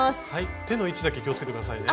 手の位置だけ気をつけて下さいね。